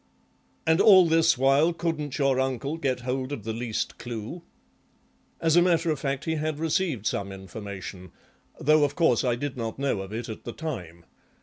"And all this while couldn't your uncle get hold of the least clue?" "As a matter of fact he had received some information, though of course I did not know of it at the time.